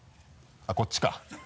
あっこっちか。